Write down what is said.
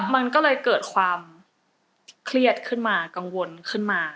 มันก็เลยเกิดความเครียดขึ้นมากังวลขึ้นมา